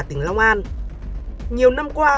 tỉnh long an nhiều năm qua